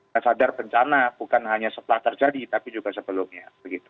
kita sadar bencana bukan hanya setelah terjadi tapi juga sebelumnya